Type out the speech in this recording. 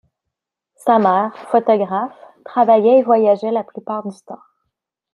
Sa mère, photographe, travaillait et voyageait la plupart du temps.